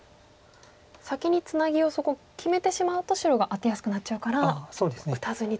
先にツナギをそこ決めてしまうと白がアテやすくなっちゃうから打たずにと。